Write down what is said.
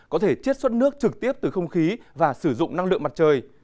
có thể chiết xuất nước trực tiếp từ không khí và sử dụng năng lượng mặt trời